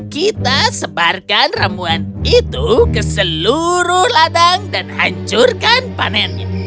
kita sebarkan ramuan itu ke seluruh ladang dan hancurkan panennya